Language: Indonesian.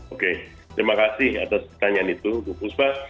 oke terima kasih atas pertanyaan itu bu puspa